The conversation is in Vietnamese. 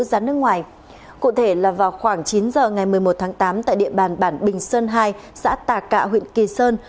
ra nước ngoài cụ thể là vào khoảng chín giờ ngày một mươi một tháng tám tại địa bàn bản bình sơn hai xã tà cạ huyện kỳ sơn